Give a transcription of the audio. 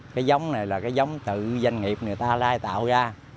cái giống này là cái giống tự doanh nghiệp người ta lai tạo ra